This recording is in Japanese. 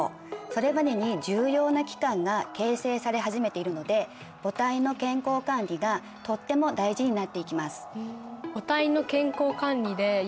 それまでに重要な器官が形成され始めているので母体の健康管理がとっても大事になっていきます。